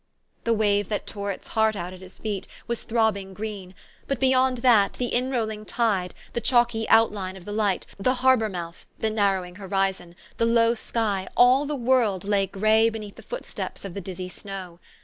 The wave that tore its heart out at his feet was throbbing green ; but, beyond that, the inrolling tide, the chalky outline of the Light, the harbor mouth, the narrowing horizon, the low sky, all the world, lay gray beneath the footsteps of the dizzy snow.